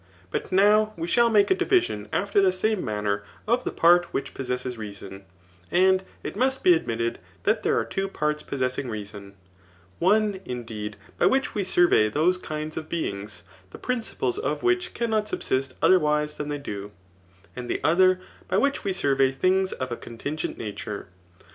But now we shall make a division after the same manner of the part which pos sesses reason; and it must be admitted that there are two parts possessing reason ; one, indeed,^ by which we sur vey those kind of bemgs, the principles of which cannot subsist otherwise than they do, and the other, by which we survey things of a contingent nature.